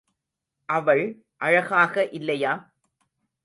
அவள் அழகாக இல்லையா?